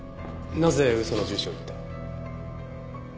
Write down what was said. なぜ嘘の住所を言った？